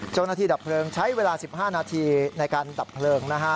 เจ้าหน้าที่ดับเพลิงใช้เวลา๑๕นาทีในการดับเพลิงนะฮะ